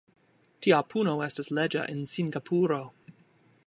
Tia puno estas leĝa en Singapuro.